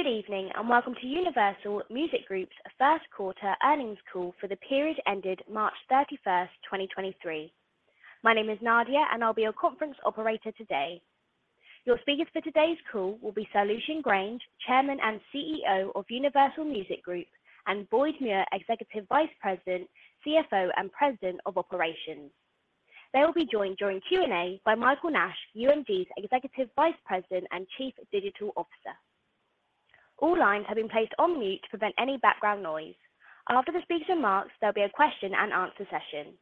Good evening, and welcome to Universal Music Group's first quarter earnings call for the period ended March 31st, 2023. My name is Nadia, and I'll be your conference operator today. Your speakers for today's call will be Lucian Grainge, Chairman and CEO of Universal Music Group, and Boyd Muir, Executive Vice President, CFO, and President of Operations. They will be joined during Q&A by Michael Nash, UMG's Executive Vice President and Chief Digital Officer. All lines have been placed on mute to prevent any background noise. After the speaker remarks, there'll be a question and answer session.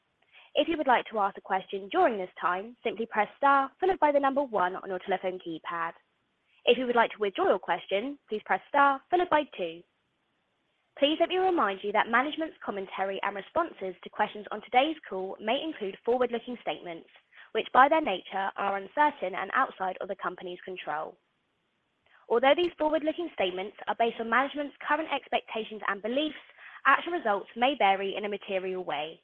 If you would like to ask a question during this time, simply press star followed by 1 on your telephone keypad. If you would like to withdraw your question, please press star followed by 2. Please let me remind you that management's commentary and responses to questions on today's call may include forward-looking statements, which by their nature are uncertain and outside of the company's control. Although these forward-looking statements are based on management's current expectations and beliefs, actual results may vary in a material way.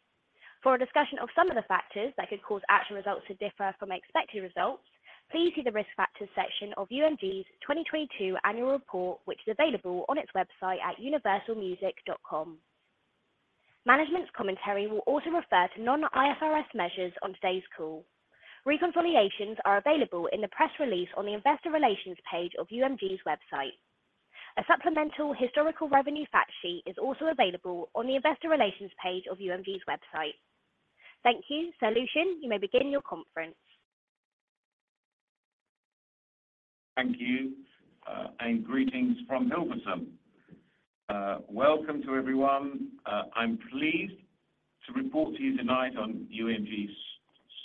For a discussion of some of the factors that could cause actual results to differ from expected results, please see the Risk Factors section of UMG's 2022 annual report, which is available on its website at universalmusic.com. Management's commentary will also refer to non-IFRS measures on today's call. Reconciliations are available in the press release on the investor relations page of UMG's website. A supplemental historical revenue fact sheet is also available on the investor relations page of UMG's website. Thank you. Sir Lucian, you may begin your conference. Thank you, greetings from Hilversum. Welcome to everyone. I'm pleased to report to you tonight on UMG's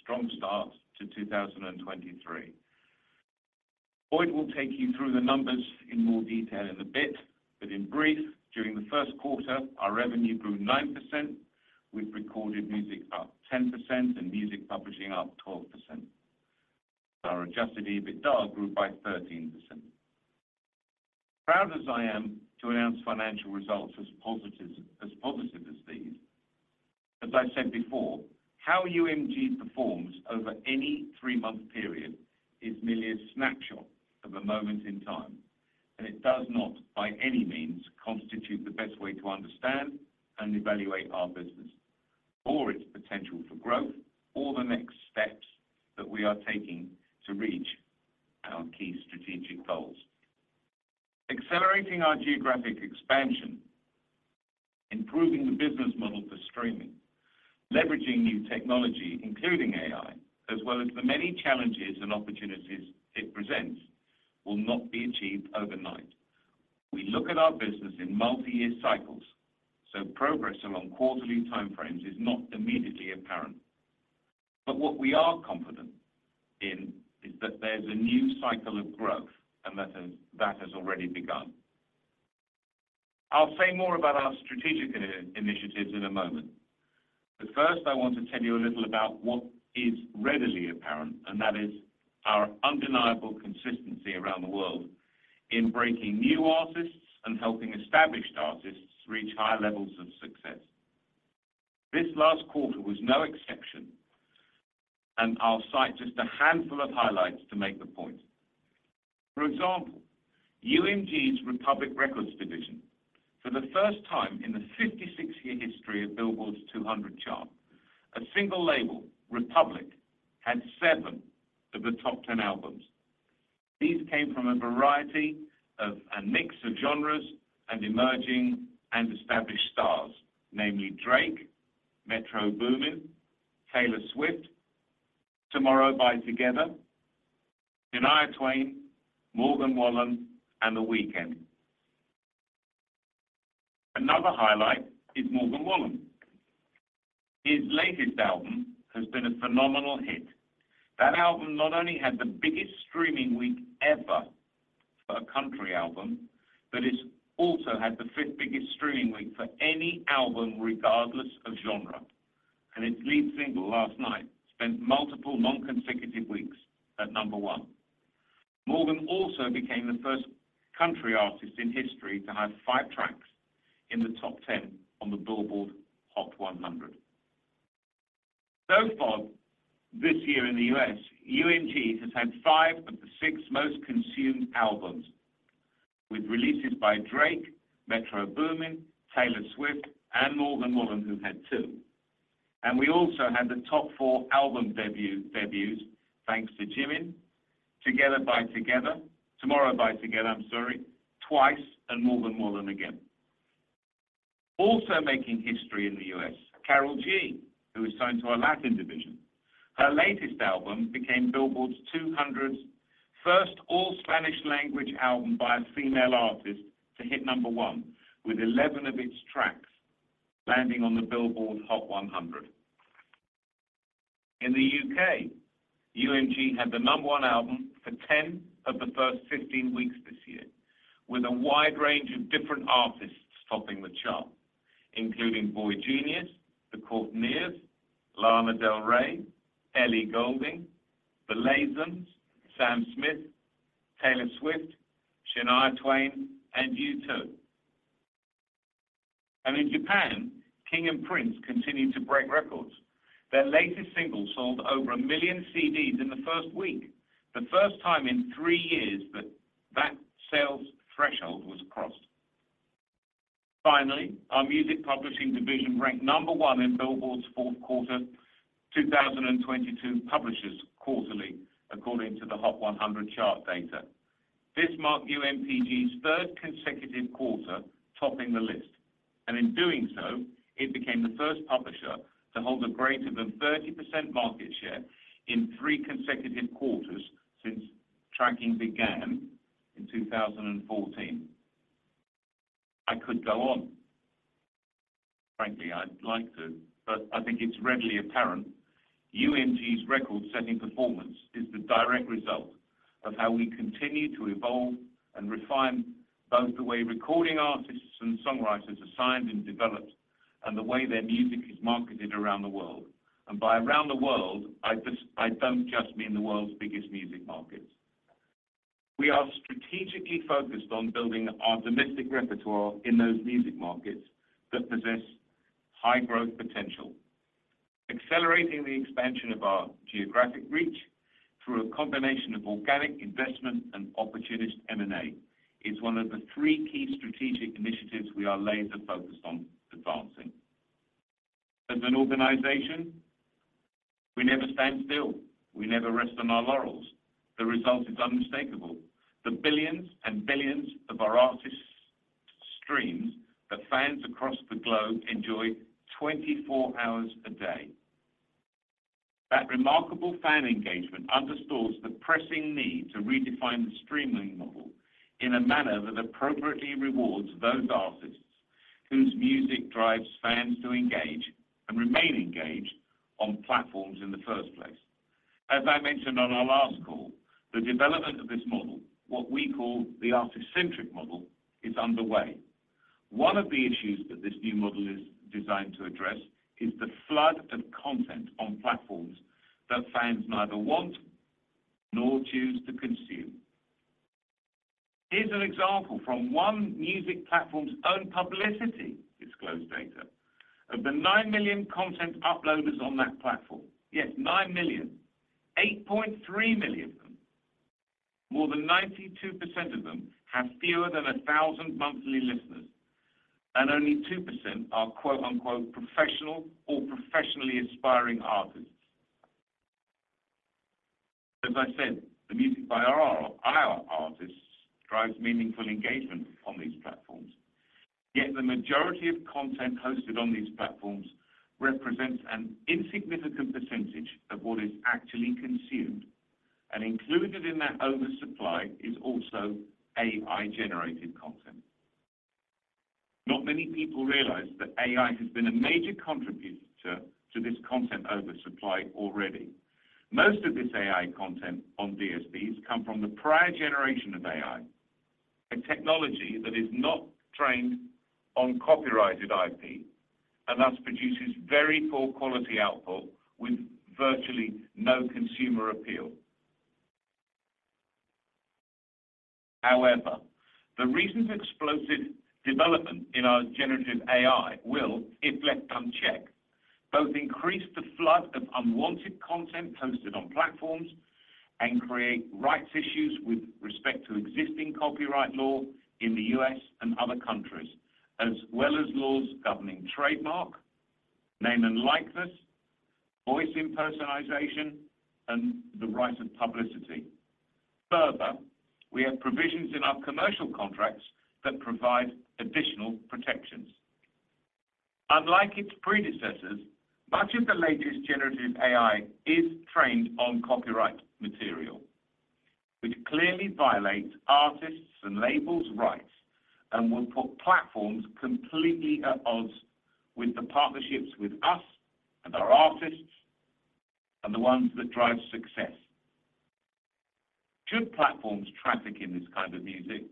strong start to 2023. Boyd will take you through the numbers in more detail in a bit, in brief, during the first quarter, our revenue grew 9%, with recorded music up 10% and music publishing up 12%. Our adjusted EBITDA grew by 13%. Proud as I am to announce financial results as positive as these, as I've said before, how UMG performs over any three-month period is merely a snapshot of a moment in time. It does not, by any means, constitute the best way to understand and evaluate our business or its potential for growth or the next steps that we are taking to reach our key strategic goals. Accelerating our geographic expansion, improving the business model for streaming, leveraging new technology, including AI, as well as the many challenges and opportunities it presents, will not be achieved overnight. We look at our business in multi-year cycles, so progress along quarterly time frames is not immediately apparent. What we are confident in is that there's a new cycle of growth and that has already begun. I'll say more about our strategic initiatives in a moment, but first, I want to tell you a little about what is readily apparent, and that is our undeniable consistency around the world in breaking new artists and helping established artists reach higher levels of success. This last quarter was no exception, and I'll cite just a handful of highlights to make the point. For example, UMG's Republic Records division, for the first time in the 56-year history of Billboard's 200 chart, a single label, Republic, had seven of the top 10 albums. These came from a mix of genres and emerging and established stars, namely Drake, Metro Boomin, Taylor Swift, TOMORROW X TOGETHER, Shania Twain, Morgan Wallen, and The Weeknd. Another highlight is Morgan Wallen. His latest album has been a phenomenal hit. That album not only had the biggest streaming week ever for a country album, but it also had the fifth-biggest streaming week for any album, regardless of genre. Its lead single, Last Night, spent multiple non-consecutive weeks at number one. Morgan also became the first country artist in history to have five tracks in the top 10 on the Billboard Hot 100. First off, this year in the U.S., UMG has had five of the six most consumed albums, with releases by Drake, Metro Boomin, Taylor Swift, and Morgan Wallen, who had two. We also had the top four album debuts, thanks to Jimin, Tomorrow by Together, Twice, and Morgan Wallen again. Making history in the U.S., Karol G, who is signed to our Latin division. Her latest album became Billboard 200's first all-Spanish language album by a female artist to hit number 1, with 11 of its tracks landing on the Billboard Hot 100. In the U.K., UMG had the number one album for 10 of the first 15 weeks this year, with a wide range of different artists topping the chart, including Boygenius, The Courteeners, Lana Del Rey, Ellie Goulding, The Lathums, Sam Smith, Taylor Swift, Shania Twain, and U2. In Japan, King & Prince continue to break records. Their latest single sold over 1 million CDs in the first week, the first time in 3 years that that sales threshold was crossed. Finally, our music publishing division ranked number one in Billboard's fourth quarter 2022 publishers quarterly, according to the Hot 100 chart data. This marked UMPG's first consecutive quarter topping the list, and in doing so, it became the first publisher to hold a greater than 30% market share in 3 consecutive quarters since tracking began in 2014. I could go on. Frankly, I'd like to, but I think it's readily apparent UMG's record-setting performance is the direct result of how we continue to evolve and refine both the way recording artists and songwriters are signed and developed and the way their music is marketed around the world. By around the world, I don't just mean the world's biggest music markets. We are strategically focused on building our domestic repertoire in those music markets that possess high growth potential. Accelerating the expansion of our geographic reach through a combination of organic investment and opportunistic M&A is one of the three key strategic initiatives we are laser-focused on advancing. As an organization, we never stand still, we never rest on our laurels. The result is unmistakable. The billions and billions of our artists' streams that fans across the globe enjoy 24 hours a day. That remarkable fan engagement underscores the pressing need to redefine the streaming model in a manner that appropriately rewards those artists whose music drives fans to engage and remain engaged on platforms in the first place. As I mentioned on our last call, the development of this model, what we call the artist-centric model, is underway. One of the issues that this new model is designed to address is the flood of content on platforms that fans neither want nor choose to consume. Here's an example from one music platform's own publicity-disclosed data. Of the 9 million content uploaders on that platform, yes, 9 million, 8.3 million of them, more than 92% of them, have fewer than 1,000 monthly listeners, and only 2% are quote-unquote, professional or professionally aspiring artists. As I said, the music by our artists drives meaningful engagement on these platforms. Yet the majority of content hosted on these platforms represents an insignificant percentage of what is actually consumed. Included in that oversupply is also AI-generated content. Not many people realize that AI has been a major contributor to this content oversupply already. Most of this AI content on DSPs come from the prior generation of AI, a technology that is not trained on copyrighted IP, and thus produces very poor quality output with virtually no consumer appeal. However, the recent explosive development in our generative AI will, if left unchecked, both increase the flood of unwanted content posted on platforms and create rights issues with respect to existing copyright law in the U.S. and other countries, as well as laws governing trademark, name and likeness, voice impersonation, and the rights of publicity. Further, we have provisions in our commercial contracts that provide additional protections. Unlike its predecessors, much of the latest generative AI is trained on copyright material, which clearly violates artists' and labels' rights and will put platforms completely at odds with the partnerships with us and our artists and the ones that drive success. Should platforms traffic in this kind of music,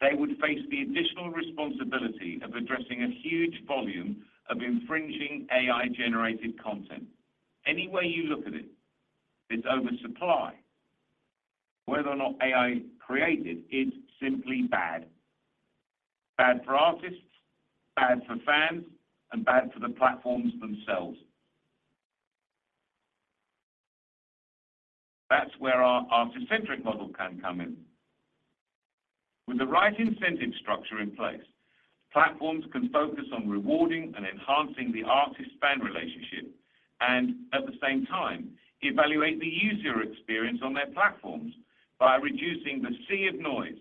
they would face the additional responsibility of addressing a huge volume of infringing AI-generated content. Any way you look at it's oversupply. Whether or not AI-created is simply bad for artists, bad for fans, and bad for the platforms themselves. That's where our artist-centric model can come in. With the right incentive structure in place, platforms can focus on rewarding and enhancing the artist-fan relationship and, at the same time, evaluate the user experience on their platforms by reducing the sea of noise,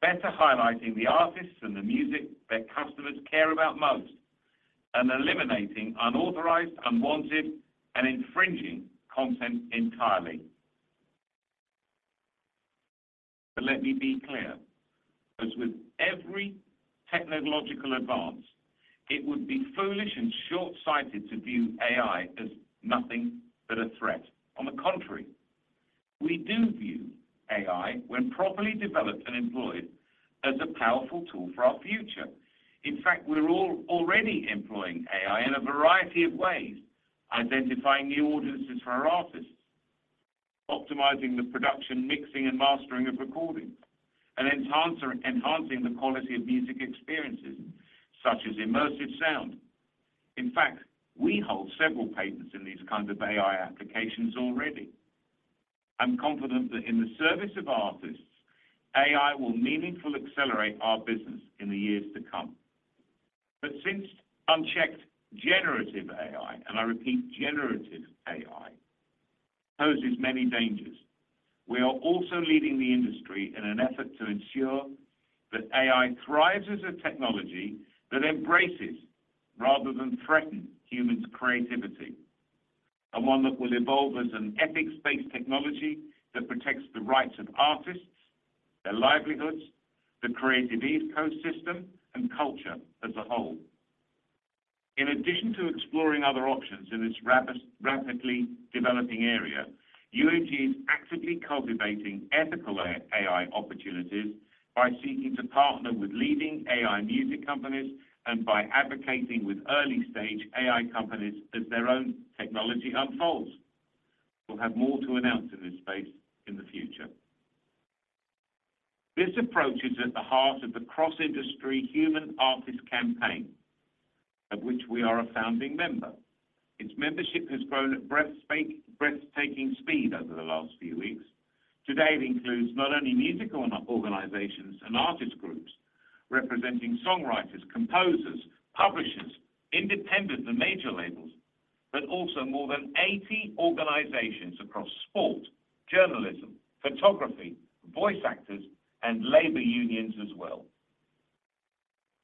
better highlighting the artists and the music their customers care about most, and eliminating unauthorized, unwanted, and infringing content entirely. Let me be clear, as with every technological advance, it would be foolish and shortsighted to view AI as nothing but a threat. On the contrary, we do view AI, when properly developed and employed, as a powerful tool for our future. In fact, we're already employing AI in a variety of ways, identifying new audiences for our artists, optimizing the production, mixing and mastering of recordings, and enhancing the quality of music experiences such as immersive sound. In fact, we hold several patents in these kinds of AI applications already. I'm confident that in the service of artists, AI will meaningfully accelerate our business in the years to come. Since unchecked generative AI, and I repeat, generative AI poses many dangers, we are also leading the industry in an effort to ensure that AI thrives as a technology that embraces rather than threaten humans' creativity, and one that will evolve as an ethics-based technology that protects the rights of artists, their livelihoods, the creative ecosystem, and culture as a whole. In addition to exploring other options in this rapidly developing area, UMG is actively cultivating ethical AI opportunities by seeking to partner with leading AI music companies and by advocating with early-stage AI companies as their own technology unfolds. We'll have more to announce in this space in the future. This approach is at the heart of the cross-industry Human Artistry Campaign, of which we are a founding member. Its membership has grown at breathtaking speed over the last few weeks. Today, it includes not only musical organizations and artist groups representing songwriters, composers, publishers, independent and major labels, but also more than 80 organizations across sport, journalism, photography, voice actors, and labor unions as well.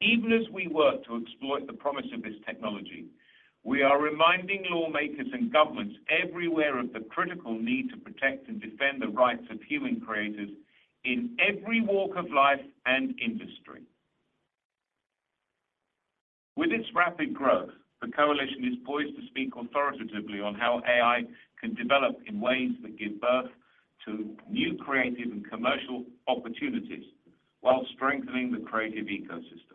Even as we work to exploit the promise of this technology, we are reminding lawmakers and governments everywhere of the critical need to protect and defend the rights of human creators in every walk of life and industry. With its rapid growth, the coalition is poised to speak authoritatively on how AI can develop in ways that give birth to new creative and commercial opportunities while strengthening the creative ecosystem.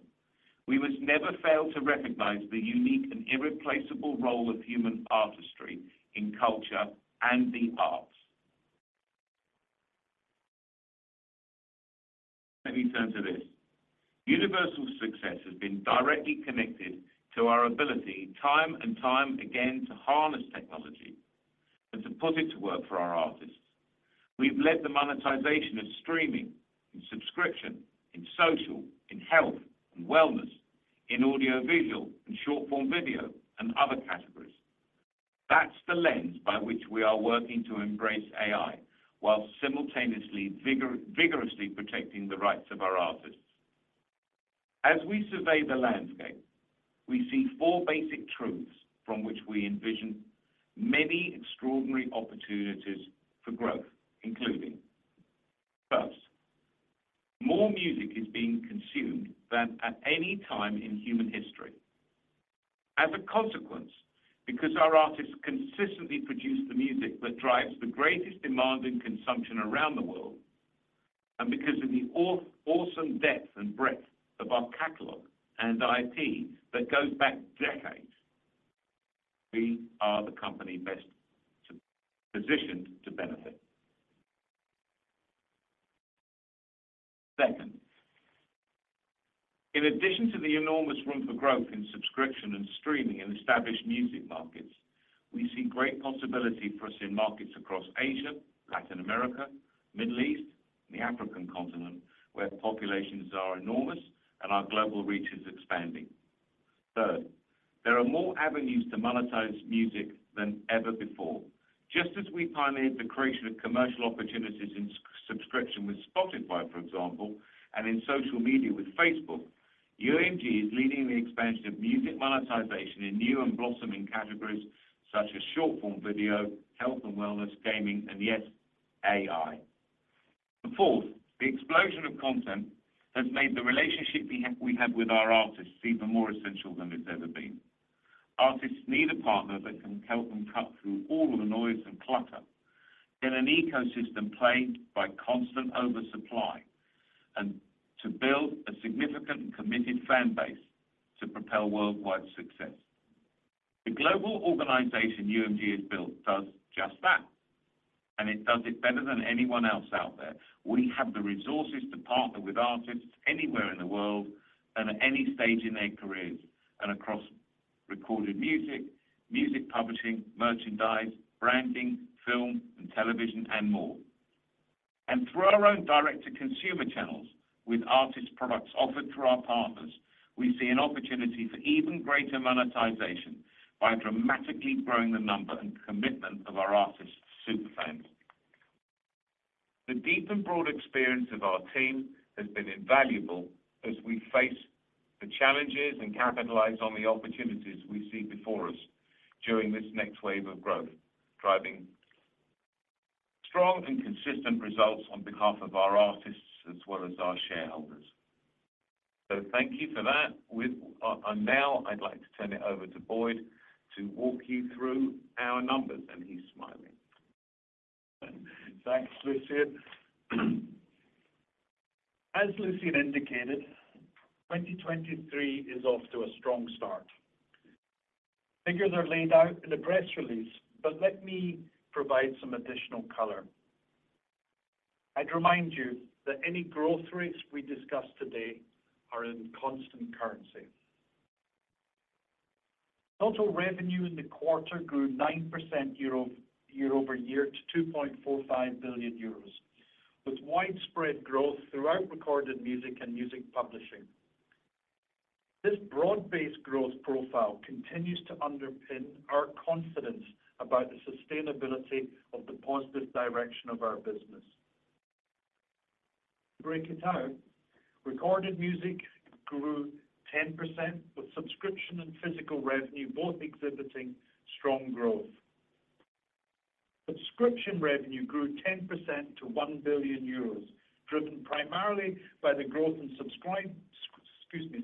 We must never fail to recognize the unique and irreplaceable role of human artistry in culture and the arts. Let me turn to this. Universal's success has been directly connected to our ability, time and time again, to harness technology and to put it to work for our artists. We've led the monetization of streaming in subscription, in social, in health and wellness, in audiovisual, in short-form video, and other categories. That's the lens by which we are working to embrace AI while simultaneously vigorously protecting the rights of our artists. As we survey the landscape, we see four basic truths from which we envision many extraordinary opportunities for growth, including. First, more music is being consumed than at any time in human history. As a consequence, because our artists consistently produce the music that drives the greatest demand and consumption around the world, and because of the awesome depth and breadth of our catalog and IP that goes back decades, we are the company best positioned to benefit. Second, in addition to the enormous room for growth in subscription and streaming in established music markets, we see great possibility for us in markets across Asia, Latin America, Middle East, and the African continent, where populations are enormous and our global reach is expanding. Third, there are more avenues to monetize music than ever before. Just as we pioneered the creation of commercial opportunities in subscription with Spotify, for example, and in social media with Facebook, UMG is leading the expansion of music monetization in new and blossoming categories such as short-form video, health and wellness, gaming, and yes, AI. Fourth, the explosion of content has made the relationship we have with our artists even more essential than it's ever been. Artists need a partner that can help them cut through all of the noise and clutter in an ecosystem plagued by constant oversupply, and to build a significant and committed fan base to propel worldwide success. The global organization UMG has built does just that, and it does it better than anyone else out there. We have the resources to partner with artists anywhere in the world and at any stage in their careers, and across recorded music publishing, merchandise, branding, film and television, and more. Through our own direct-to-consumer channels with artist products offered through our partners, we see an opportunity for even greater monetization by dramatically growing the number and commitment of our artists' super fans. The deep and broad experience of our team has been invaluable as we face the challenges and capitalize on the opportunities we see before us during this next wave of growth, driving strong and consistent results on behalf of our artists as well as our shareholders. Thank you for that. Now I'd like to turn it over to Boyd to walk you through our numbers, and he's smiling. Thanks, Lucian. As Lucian indicated, 2023 is off to a strong start. Figures are laid out in the press release, let me provide some additional color. I'd remind you that any growth rates we discuss today are in constant currency. Total revenue in the quarter grew 9% year-over-year to 2.45 billion euros, with widespread growth throughout recorded music and music publishing. This broad-based growth profile continues to underpin our confidence about the sustainability of the positive direction of our business. To break it out, recorded music grew 10%, with subscription and physical revenue both exhibiting strong growth. Subscription revenue grew 10% to 1 billion euros, driven primarily by the growth in, excuse me,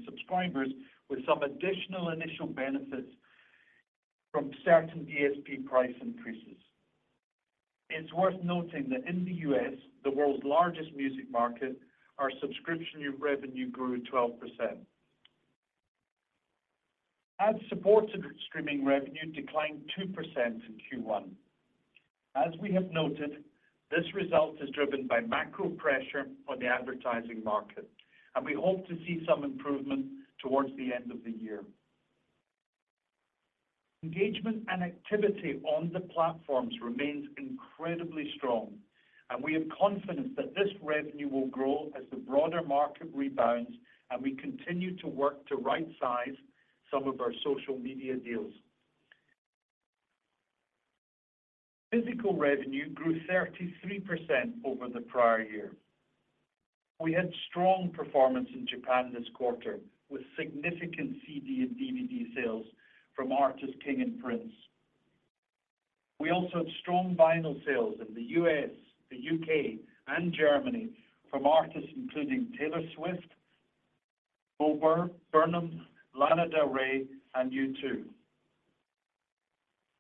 subscribers, with some additional initial benefits from certain ASP price increases. It's worth noting that in the U.S., the world's largest music market, our subscription revenue grew 12%. Ad-supported streaming revenue declined 2% in Q1. As we have noted, this result is driven by macro pressure on the advertising market, and we hope to see some improvement towards the end of the year. Engagement and activity on the platforms remains incredibly strong, and we have confidence that this revenue will grow as the broader market rebounds, and we continue to work to right-size some of our social media deals. Physical revenue grew 33% over the prior year. We had strong performance in Japan this quarter, with significant CD and DVD sales from artists King & Prince. We also had strong vinyl sales in the U.S., the U.K., and Germany from artists including Taylor Swift, Bo Burnham, Lana Del Rey, and U2.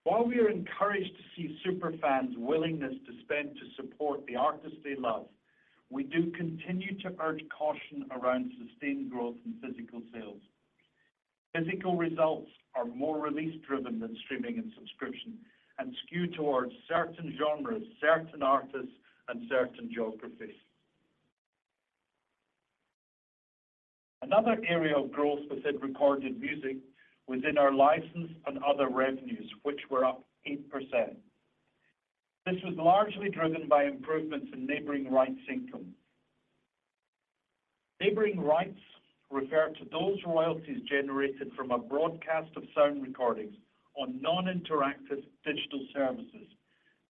While we are encouraged to see super fans' willingness to spend to support the artists they love, we do continue to urge caution around sustained growth in physical sales. Physical results are more release-driven than streaming and subscription, and skew towards certain genres, certain artists, and certain geographies. Another area of growth within recorded music was in our license and other revenues, which were up 8%. This was largely driven by improvements in neighboring rights income. Neighboring rights refer to those royalties generated from a broadcast of sound recordings on non-interactive digital services,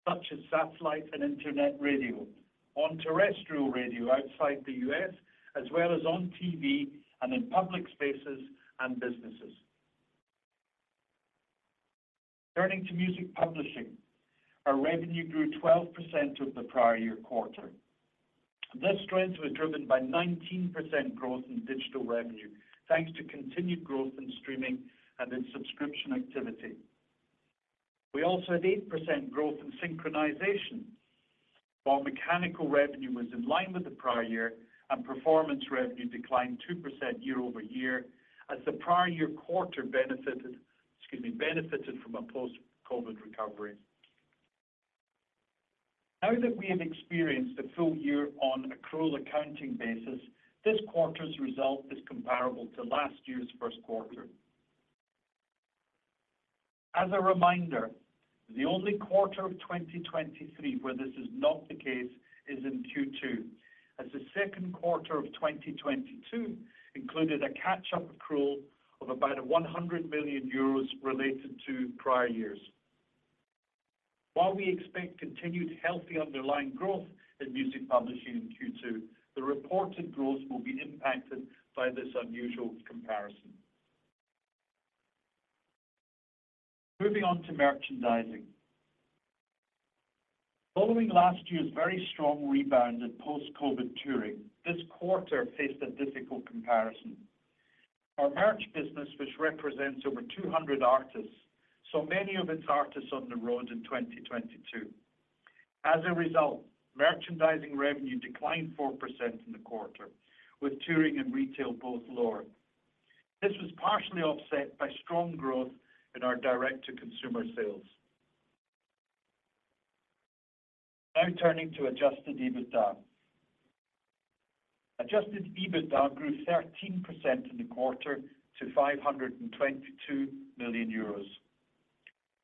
such as satellite and internet radio, on terrestrial radio outside the U.S., as well as on TV and in public spaces and businesses. Turning to music publishing, our revenue grew 12% over the prior year quarter. This strength was driven by 19% growth in digital revenue, thanks to continued growth in streaming and in subscription activity. We also had 8% growth in synchronization. While mechanical revenue was in line with the prior year and performance revenue declined 2% year-over-year, as the prior year quarter benefited from a post-COVID recovery. That we have experienced a full year on accrual accounting basis, this quarter's result is comparable to last year's first quarter. As a reminder, the only quarter of 2023 where this is not the case is in Q2, as the second quarter of 2022 included a catch-up accrual of about 100 million euros related to prior years. We expect continued healthy underlying growth in music publishing in Q2, the reported growth will be impacted by this unusual comparison. Moving on to merchandising. Following last year's very strong rebound in post-COVID touring, this quarter faced a difficult comparison. Our merch business, which represents over 200 artists, saw many of its artists on the road in 2022. Merchandising revenue declined 4% in the quarter, with touring and retail both lower. This was partially offset by strong growth in our direct-to-consumer sales. Turning to adjusted EBITDA. Adjusted EBITDA grew 13% in the quarter to 522 million euros.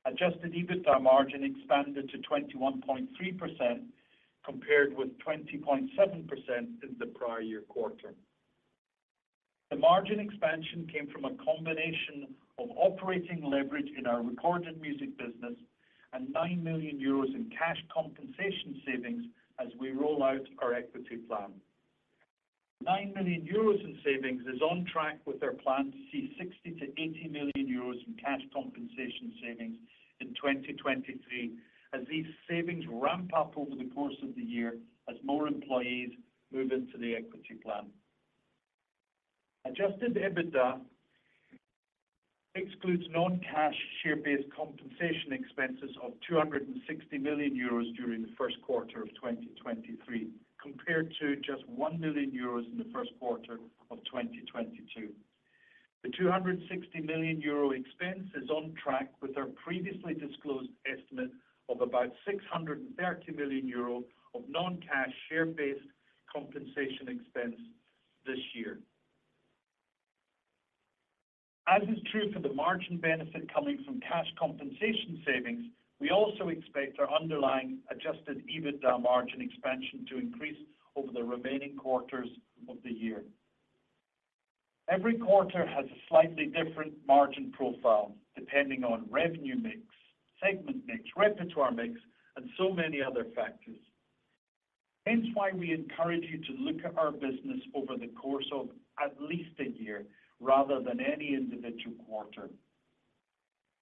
Adjusted EBITDA margin expanded to 21.3% compared with 20.7% in the prior year quarter. The margin expansion came from a combination of operating leverage in our recorded music business and 9 million euros in cash compensation savings as we roll out our equity plan. 9 million euros in savings is on track with our plan to see 60 million-80 million euros in cash compensation savings in 2023, as these savings ramp up over the course of the year as more employees move into the equity plan. Adjusted EBITDA excludes non-cash share-based compensation expenses of 260 million euros during the 1Q 2023, compared to just 1 million euros in the 1Q 2022. The 260 million euro expense is on track with our previously disclosed estimate of about 630 million euro of non-cash share-based compensation expense this year. As is true for the margin benefit coming from cash compensation savings, we also expect our underlying adjusted EBITDA margin expansion to increase over the remaining quarters of the year. Every quarter has a slightly different margin profile depending on revenue mix, segment mix, repertoire mix, and so many other factors. Hence why we encourage you to look at our business over the course of at least a year rather than any individual quarter.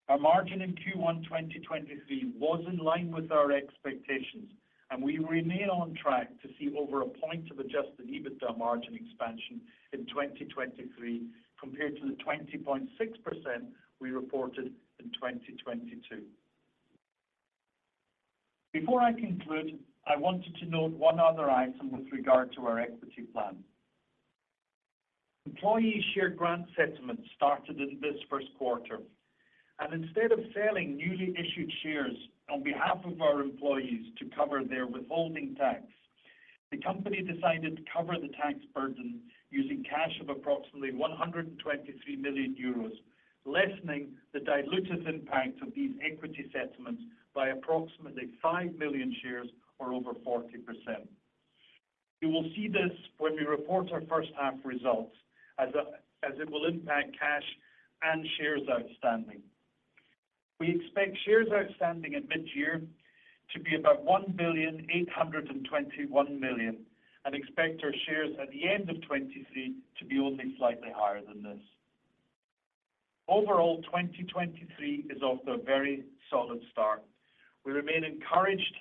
Our margin in Q1 2023 was in line with our expectations, and we remain on track to see over 1 point of adjusted EBITDA margin expansion in 2023 compared to the 20.6% we reported in 2022. Before I conclude, I wanted to note one other item with regard to our equity plan. Employee share grant settlement started in this first quarter, and instead of selling newly issued shares on behalf of our employees to cover their withholding tax, the company decided to cover the tax burden using cash of approximately 123 million euros, lessening the dilutive impact of these equity settlements by approximately 5 million shares or over 40%. You will see this when we report our first half results as it will impact cash and shares outstanding. We expect shares outstanding at mid-year to be about 1,821 million, and expect our shares at the end of 2023 to be only slightly higher than this. Overall, 2023 is off to a very solid start. We remain encouraged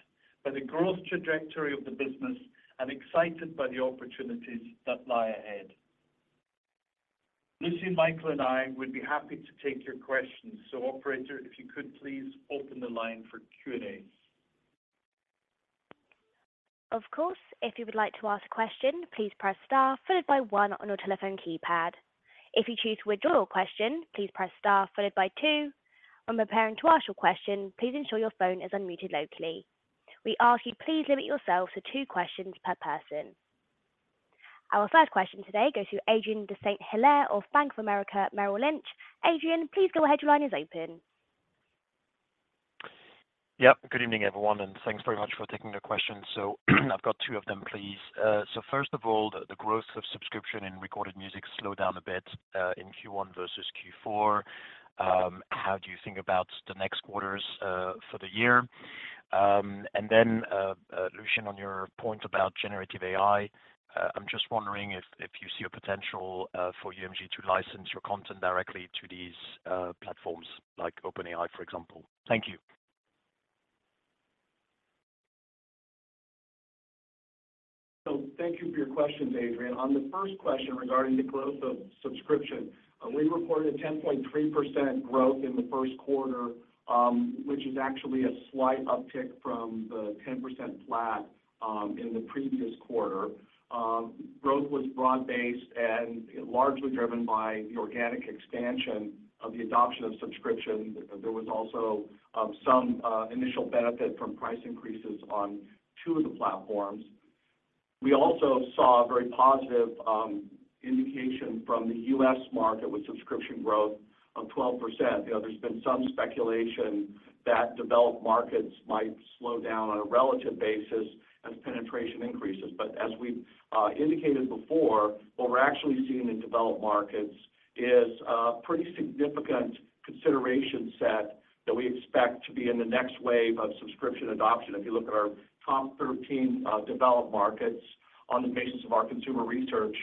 by the growth trajectory of the business and excited by the opportunities that lie ahead. Lucian, Michael, and I would be happy to take your questions. Operator, if you could please open the line for Q&A. Of course. If you would like to ask a question, please press star followed by one on your telephone keypad. If you choose to withdraw your question, please press star followed by two. When preparing to ask your question, please ensure your phone is unmuted locally. We ask you please limit yourself to two questions per person. Our first question today goes to Adrien de Saint Hilaire of Bank of America Merrill Lynch. Adrien, please go ahead. Your line is open. Good evening, everyone, and thanks very much for taking the question. I've got two of them, please. First of all, the growth of subscription in recorded music slowed down a bit in Q1 versus Q4. How do you think about the next quarters for the year? Lucian, on your point about generative AI, I'm just wondering if you see a potential for UMG to license your content directly to these platforms like OpenAI, for example. Thank you. Thank you for your questions, Adrien. On the first question regarding the growth of subscription, we reported a 10.3% growth in the first quarter, which is actually a slight uptick from the 10% flat in the previous quarter. Growth was broad-based and largely driven by the organic expansion of the adoption of subscription. There was also some initial benefit from price increases on two of the platforms. We also saw a very positive indication from the U.S. market with subscription growth of 12%. You know, there's been some speculation that developed markets might slow down on a relative basis as penetration increases. As we've indicated before, what we're actually seeing in developed markets is a pretty significant consideration set that we expect to be in the next wave of subscription adoption. If you look at our top 13 developed markets on the basis of our consumer research,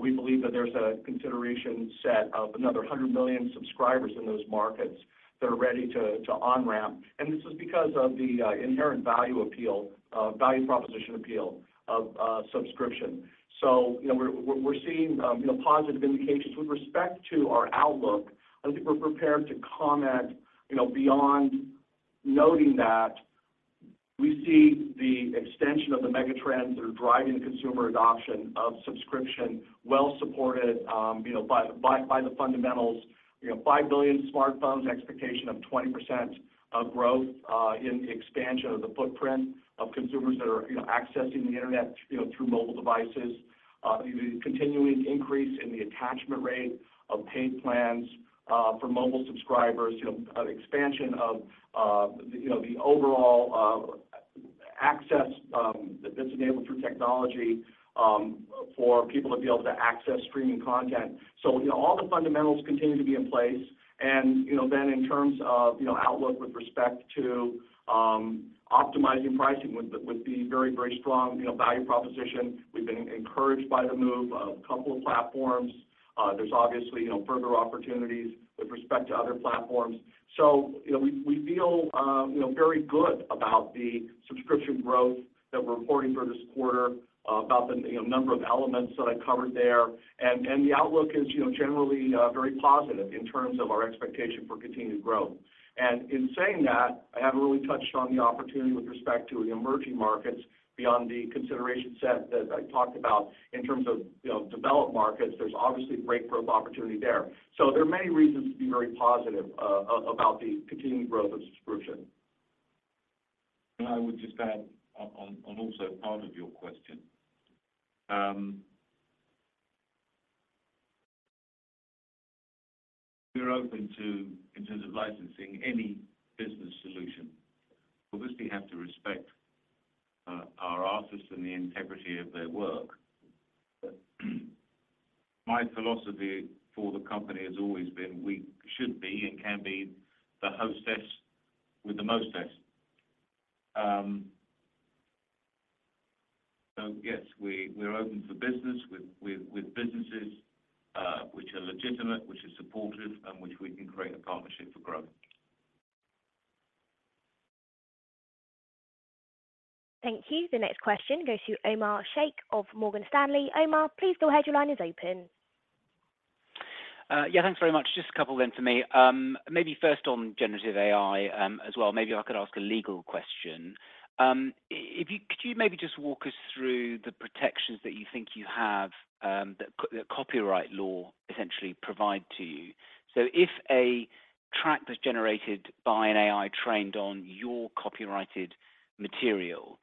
we believe that there's a consideration set of another 100 million subscribers in those markets that are ready to on-ramp. This is because of the inherent value appeal, value proposition appeal of subscription. You know, we're, we're seeing, you know, positive indications. With respect to our outlook, I don't think we're prepared to comment, you know, beyond noting that we see the extension of the mega-trends that are driving consumer adoption of subscription, well supported, you know, by the fundamentals. 5 billion smartphones, expectation of 20% of growth in the expansion of the footprint of consumers that are, you know, accessing the Internet, you know, through mobile devices. The continuing increase in the attachment rate of paid plans for mobile subscribers. You know, expansion of, you know, the overall access, for people to be able to access streaming content. You know, all the fundamentals continue to be in place. You know, then in terms of, you know, outlook with respect to optimizing pricing with the very, very strong, you know, value proposition. We've been encouraged by the move of a couple of platforms. There's obviously, you know, further opportunities with respect to other platforms. You know, we feel, you know, very good about the subscription growth that we're reporting for this quarter, about the, you know, number of elements that I covered there. The outlook is, you know, generally very positive in terms of our expectation for continued growth. In saying that, I haven't really touched on the opportunity with respect to the emerging markets beyond the consideration set that I talked about in terms of, you know, developed markets. There's obviously breakthrough opportunity there. There are many reasons to be very positive about the continued growth of subscription. I would just add on also part of your question, we're open to, in terms of licensing any business solution. Obviously, we have to respect our artists and the integrity of their work. My philosophy for the company has always been we should be and can be the hostess with the mostest. Yes, we're open for business with businesses, which are legitimate, which are supportive, and which we can create a partnership for growth. Thank you. The next question goes to Omar Sheikh of Morgan Stanley. Omar, please go ahead. Your line is open. Yeah, thanks very much. Just a couple then for me. Maybe first on generative AI, as well, maybe I could ask a legal question. Could you maybe just walk us through the protections that you think you have, that copyright law essentially provide to you? If a track was generated by an AI trained on your copyrighted material,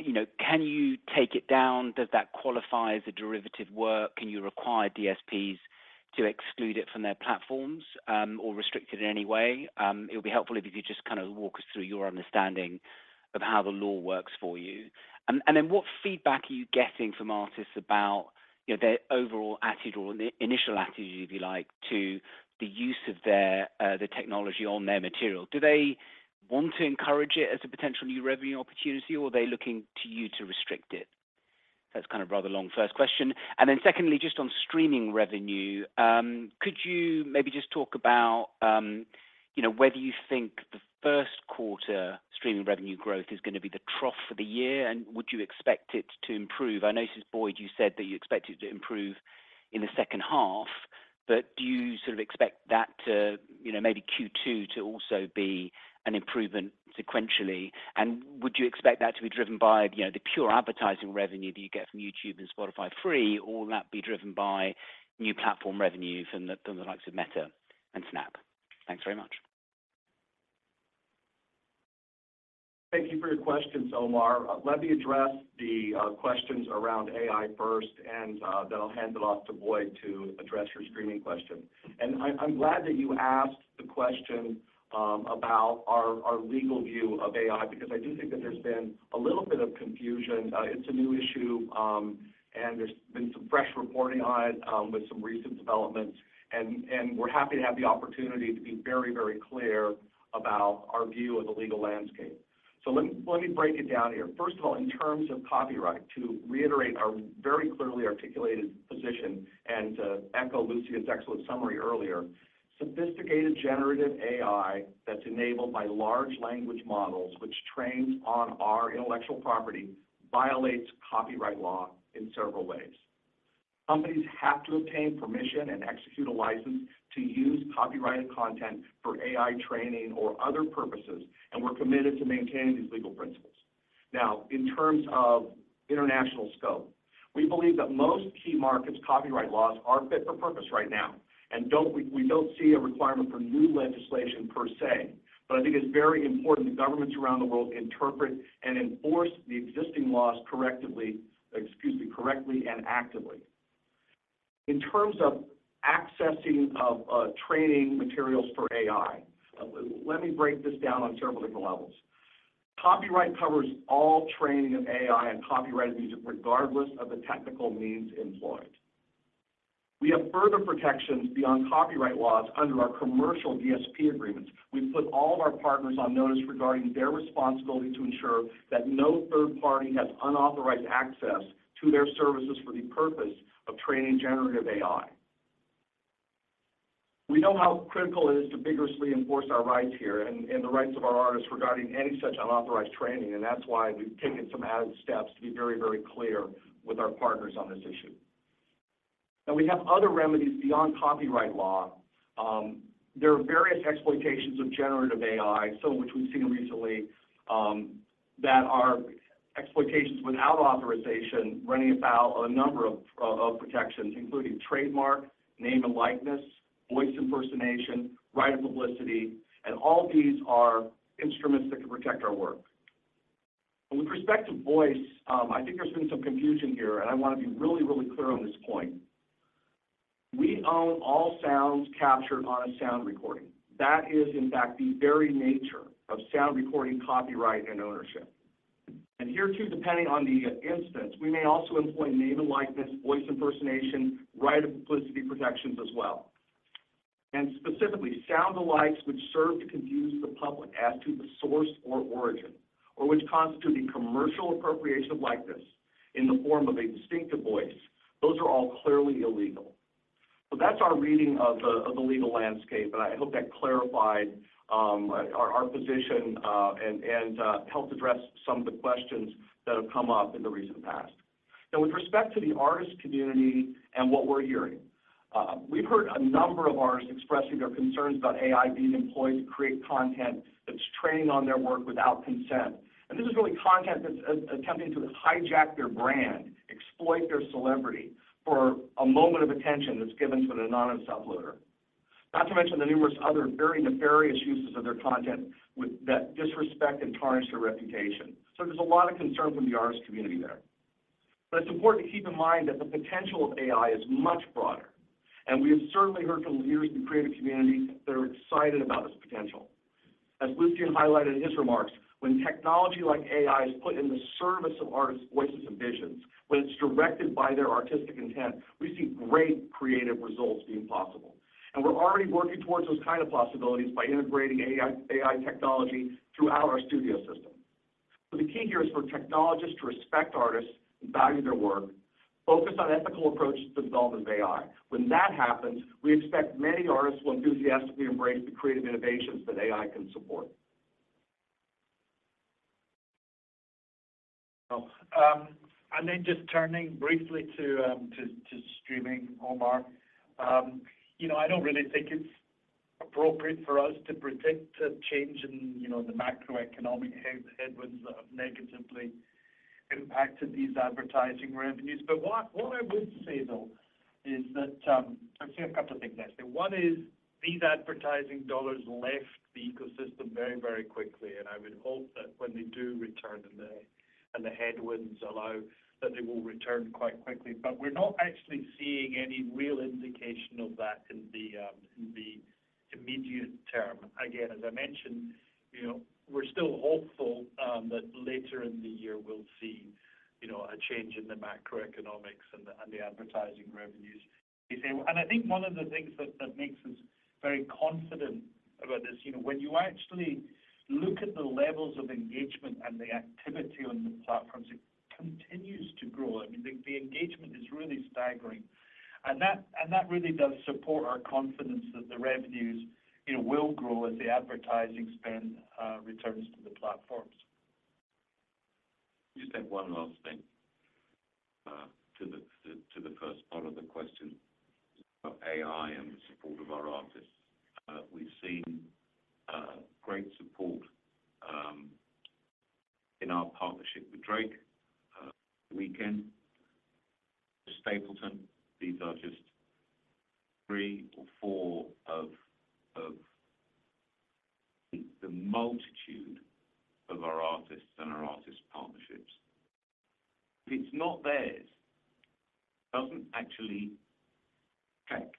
you know, can you take it down? Does that qualify as a derivative work? Can you require DSPs to exclude it from their platforms, or restrict it in any way? It'll be helpful if you could just kinda walk us through your understanding of how the law works for you. Then what feedback are you getting from artists about, you know, their overall attitude or the initial attitude, if you like, to the use of their the technology on their material? Do they want to encourage it as a potential new revenue opportunity, or are they looking to you to restrict it? That's kind of a rather long first question. Secondly, just on streaming revenue, could you maybe just talk about, you know, whether you think the first quarter streaming revenue growth is gonna be the trough for the year, and would you expect it to improve? I know, Boyd, you said that you expect it to improve in the second half, but do you sort of expect that to, you know, maybe Q2 to also be an improvement sequentially? Would you expect that to be driven by, you know, the pure advertising revenue that you get from YouTube and Spotify Free, or will that be driven by new platform revenue from the likes of Meta and Snap? Thanks very much. Thank you for your questions, Omar. Let me address the questions around AI first, then I'll hand it off to Boyd to address your streaming question. I'm glad that you asked the question about our legal view of AI, because I do think that there's been a little bit of confusion. It's a new issue, and there's been some fresh reporting on it with some recent developments. We're happy to have the opportunity to be very, very clear about our view of the legal landscape. Let me break it down here. First of all, in terms of copyright, to reiterate our very clearly articulated position and to echo Lucian's excellent summary earlier, sophisticated generative AI that's enabled by large language models, which trains on our intellectual property, violates copyright law in several ways. Companies have to obtain permission and execute a license to use copyrighted content for AI training or other purposes, and we're committed to maintaining these legal principles. Now, in terms of international scope, we believe that most key markets' copyright laws are fit for purpose right now, we don't see a requirement for new legislation per se. I think it's very important that governments around the world interpret and enforce the existing laws correctly and actively. In terms of accessing of, training materials for AI, let me break this down on several different levels. Copyright covers all training of AI and copyrighted music regardless of the technical means employed. We have further protections beyond copyright laws under our commercial DSP agreements. We've put all of our partners on notice regarding their responsibility to ensure that no third party has unauthorized access to their services for the purpose of training generative AI. We know how critical it is to vigorously enforce our rights here and the rights of our artists regarding any such unauthorized training. That's why we've taken some added steps to be very, very clear with our partners on this issue. We have other remedies beyond copyright law. There are various exploitations of generative AI, some of which we've seen recently, that are exploitations without authorization running afoul on a number of protections, including trademark, name and likeness, voice impersonation, right of publicity. All of these are instruments that can protect our work. With respect to voice, I think there's been some confusion here, and I wanna be really, really clear on this point. We own all sounds captured on a sound recording. That is, in fact, the very nature of sound recording copyright and ownership. Here too, depending on the instance, we may also employ name and likeness, voice impersonation, right of publicity protections as well. Specifically, sound-alikes which serve to confuse the public as to the source or origin, or which constitute a commercial appropriation of likeness in the form of a distinctive voice, those are all clearly illegal. That's our reading of the, of the legal landscape, and I hope that clarified our position, and, helped address some of the questions that have come up in the recent past. With respect to the artist community and what we're hearing, we've heard a number of artists expressing their concerns about AI being employed to create content that's training on their work without consent. This is really content that's attempting to hijack their brand, exploit their celebrity for a moment of attention that's given to an anonymous uploader. Not to mention the numerous other very nefarious uses of their content that disrespect and tarnish their reputation. There's a lot of concern from the artist community there. It's important to keep in mind that the potential of AI is much broader, and we have certainly heard from leaders in the creative community that are excited about its potential. As Lucian highlighted in his remarks, when technology like AI is put in the service of artists' voices and visions, when it's directed by their artistic intent, we see great creative results being possible. We're already working towards those kind of possibilities by integrating AI technology throughout our studio system. The key here is for technologists to respect artists and value their work, focus on ethical approaches to the development of AI. When that happens, we expect many artists will enthusiastically embrace the creative innovations that AI can support. Then just turning briefly to streaming, Omar. You know, I don't really think it's appropriate for us to predict a change in, you know, the macroeconomic headwinds that have negatively impacted these advertising revenues. What I would say, though, is that I'd say a couple of things, actually. One is these advertising dollars left the ecosystem very, very quickly, and I would hope that when they do return and the headwinds allow, that they will return quite quickly. We're not actually seeing any real indication of that in the immediate term. Again, as I mentioned, you know, we're still hopeful that later in the year we'll see, you know, a change in the macroeconomics and the advertising revenues. I think one of the things that makes us very confident about this, you know, when you actually look at the levels of engagement and the activity on the platforms, it continues to grow. I mean, the engagement is really staggering. That really does support our confidence that the revenues, you know, will grow as the advertising spend returns to the platforms. Just add one last thing to the first part of the question about AI and the support of our artists. We've seen great support in our partnership with Drake, The Weeknd, Stapleton. These are just 3 or 4 of the multitude of our artists and our artist partnerships. If it's not theirs, doesn't actually affect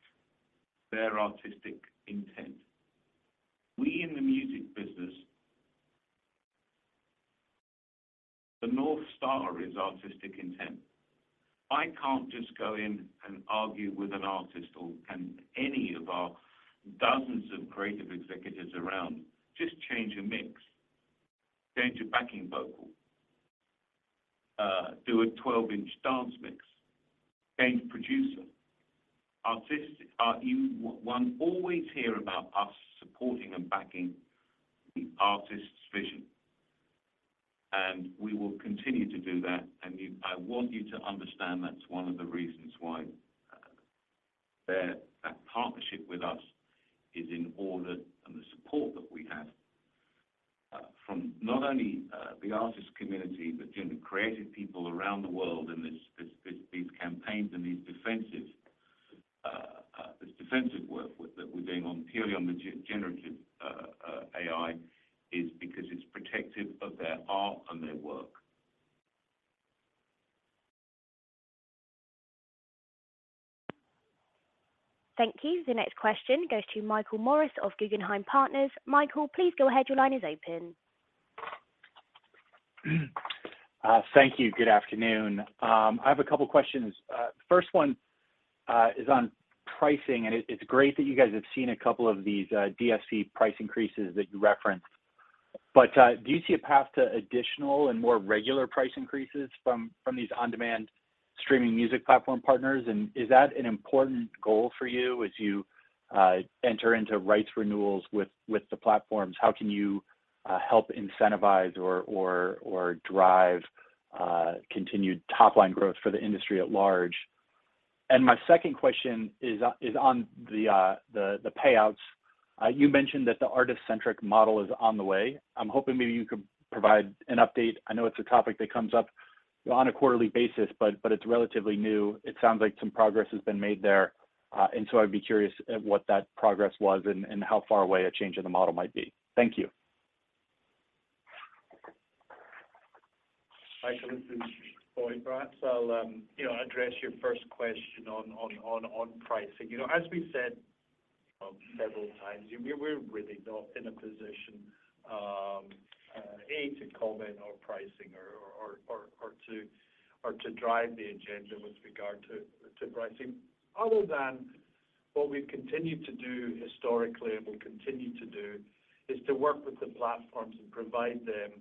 their artistic intent. We in the music business, the North Star is artistic intent. I can't just go in and argue with an artist or can any of our dozens of creative executives around just change a mix, change a backing vocal, do a 12-inch dance mix, change a producer. One always hear about us supporting and backing the artist's vision, and we will continue to do that. I want you to understand that's one of the reasons why that partnership with us is in order and the support that we have from not only the artist community, but the creative people around the world and these campaigns and this defensive work that we're doing purely on the generative AI is because it's protective of their art and their work. Thank you. The next question goes to Michael Morris of Guggenheim Partners. Michael, please go ahead. Your line is open. Thank you. Good afternoon. I have a couple questions. First one is on pricing, and it's great that you guys have seen a couple of these DSP price increases that you referenced. Do you see a path to additional and more regular price increases from these on-demand streaming music platform partners? Is that an important goal for you as you enter into rights renewals with the platforms? How can you help incentivize or drive continued top-line growth for the industry at large? My second question is on the payouts. You mentioned that the artist-centric model is on the way. I'm hoping maybe you could provide an update. I know it's a topic that comes up on a quarterly basis, but it's relatively new. It sounds like some progress has been made there. I'd be curious at what that progress was and how far away a change in the model might be. Thank you. Michael, this is Boyd. Perhaps I'll, you know, address your first question on pricing. You know, as we said, several times, we're really not in a position, A, to comment on pricing or to drive the agenda with regard to pricing other than what we've continued to do historically and will continue to do is to work with the platforms and provide them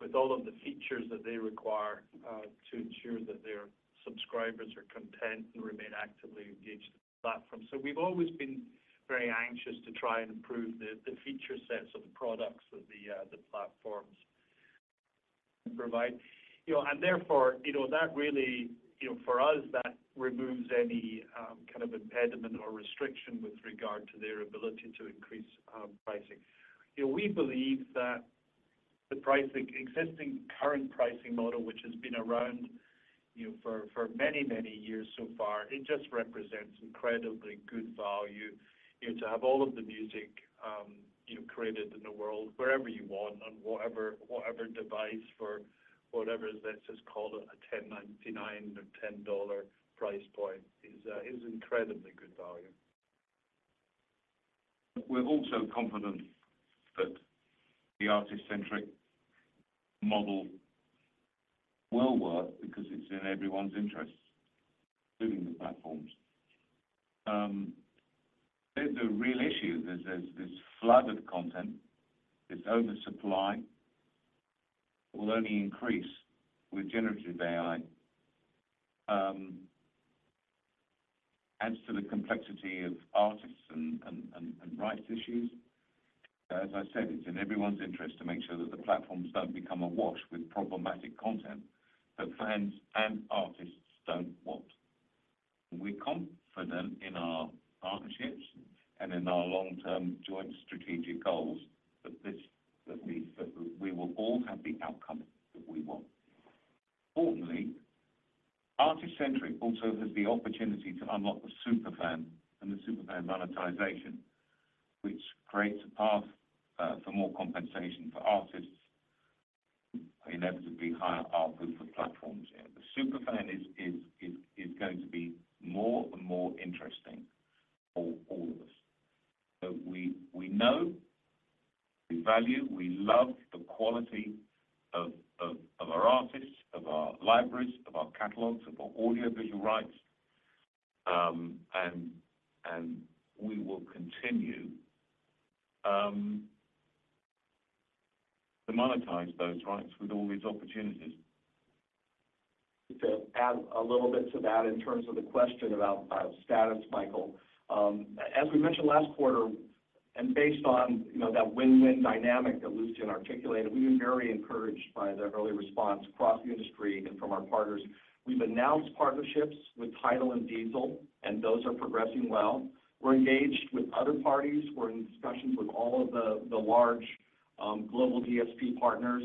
with all of the features that they require to ensure that their subscribers are content and remain actively engaged with the platform. We've always been very anxious to try and improve the feature sets of the products that the platforms provide. You know, therefore, you know, that really, you know, for us, that removes any kiddnd of impediment or restriction with regard to their ability to increase pricing. You know, we believe that the pricing, existing current pricing model, which has been around, you know, for many years so far, it just represents incredibly good value, you know, to have all of the music, you know, created in the world wherever you want on whatever device for whatever is, let's just call it a $10.99 or $10 price point is incredibly good value. We're also confident that the artist-centric model will work because it's in everyone's interests, including the platforms. The real issue is this flood of content. This oversupply will only increase with generative AI. Adds to the complexity of artists and rights issues. As I said, it's in everyone's interest to make sure that the platforms don't become awash with problematic content that fans and artists don't want. We're confident in our partnerships and in our long-term joint strategic goals that we will all have the outcome that we want. Importantly, artist-centric also has the opportunity to unlock the super fan and the super fan monetization, which creates a path for more compensation for artists and inevitably higher output for platforms. The super fan is going to be more and more interesting for all of us. We know, we value, we love the quality of our artists, of our libraries, of our catalogs, of our audiovisual rights, and we will continue to monetize those rights with all these opportunities. To add a little bit to that in terms of the question about status, Michael, as we mentioned last quarter and based on, you know, that win-win dynamic that Lucian articulated, we were very encouraged by the early response across the industry and from our partners. We've announced partnerships with TIDAL and Deezer, and those are progressing well. We're engaged with other parties. We're in discussions with all of the large global DSP partners.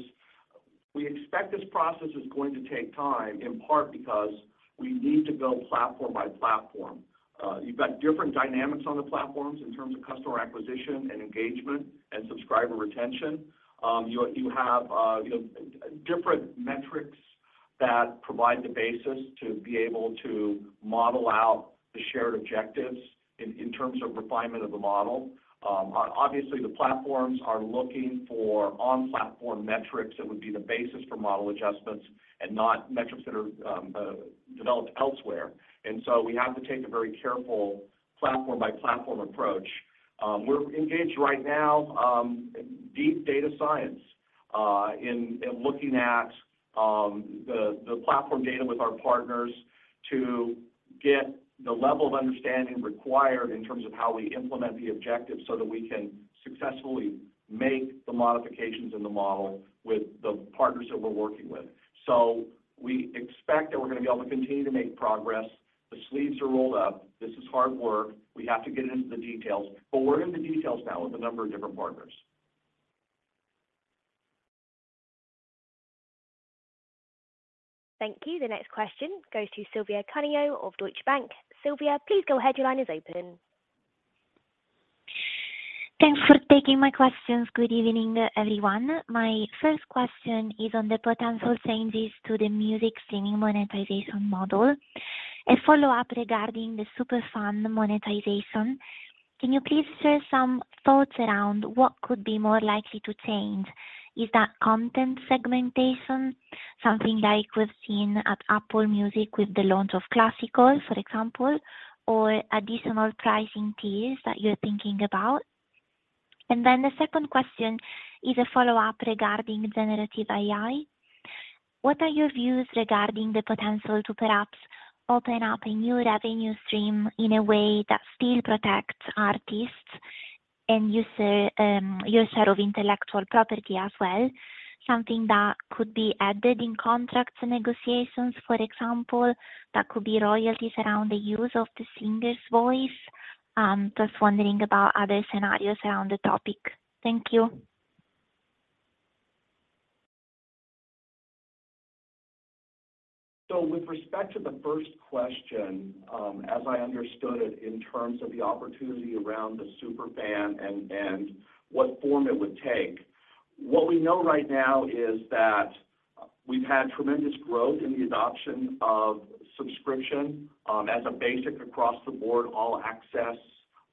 We expect this process is going to take time, in part because we need to go platform by platform. You've got different dynamics on the platforms in terms of customer acquisition and engagement and subscriber retention. You have, you know, different metrics that provide the basis to be able to model out the shared objectives in terms of refinement of the model. Obviously, the platforms are looking for on-platform metrics that would be the basis for model adjustments and not metrics that are developed elsewhere. We have to take a very careful platform by platform approach. We're engaged right now in deep data science in looking at the platform data with our partners to get the level of understanding required in terms of how we implement the objectives so that we can successfully make the modifications in the model with the partners that we're working with. We expect that we're gonna be able to continue to make progress. The sleeves are rolled up. This is hard work. We have to get into the details, but we're in the details now with a number of different partners. Thank you. The next question goes to Silvia Cuneo of Deutsche Bank. Silvia, please go ahead. Your line is open. Thanks for taking my questions. Good evening, everyone. My first question is on the potential changes to the music streaming monetization model. A follow-up regarding the super fan monetization. Can you please share some thoughts around what could be more likely to change? Is that content segmentation, something like we've seen at Apple Music with the launch of Classical, for example, or additional pricing tiers that you're thinking about? The second question is a follow-up regarding generative AI. What are your views regarding the potential to perhaps open up a new revenue stream in a way that still protects artists and user of intellectual property as well, something that could be added in contracts negotiations, for example, that could be royalties around the use of the singer's voice? Just wondering about other scenarios around the topic. Thank you. With respect to the first question, as I understood it in terms of the opportunity around the super fan and what form it would take, what we know right now is that we've had tremendous growth in the adoption of subscription, as a basic across the board all access,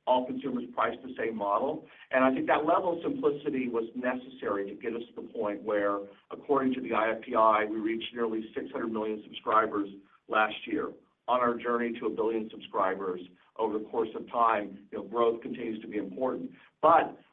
all consumers priced the same model. I think that level of simplicity was necessary to get us to the point where according to the IFPI, we reached nearly 600 million subscribers last year. On our journey to 1 billion subscribers over the course of time, you know, growth continues to be important.